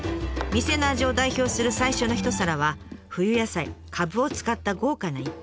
店の味を代表する最初の一皿は冬野菜かぶを使った豪華な一品。